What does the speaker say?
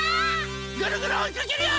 ぐるぐるおいかけるよ！